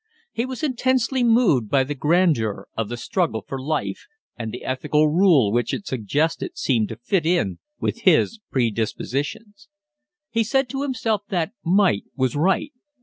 He was intensely moved by the grandeur of the struggle for life, and the ethical rule which it suggested seemed to fit in with his predispositions. He said to himself that might was right.